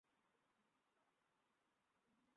জেলাটি খনিজ সম্পদে সমৃদ্ধ।